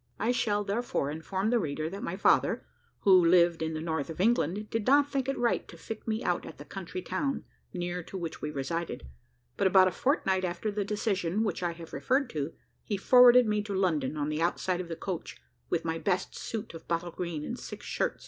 I shall therefore inform the reader, that my father, who lived in the north of England, did not think it right to fit me out at the country town, near to which we resided; but about a fortnight after the decision which I have referred to, he forwarded me to London, on the outside of the coach, with my best suit of bottle green and six shirts.